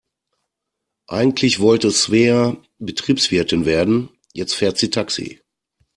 Eigentlich wollte Svea Betriebswirtin werden, jetzt fährt sie Taxi.